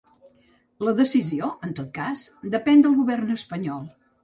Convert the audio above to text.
La decisió, en tot cas, depèn del govern espanyol.